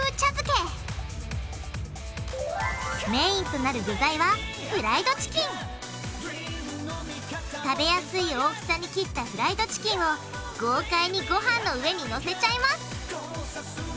メインとなる具材は食べやすい大きさに切ったフライドチキンを豪快にごはんの上にのせちゃいます！